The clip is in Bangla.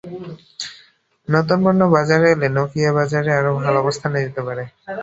নতুন পণ্য বাজারে এলে নকিয়া বাজারে আরও ভালো অবস্থানে যেতে পারে।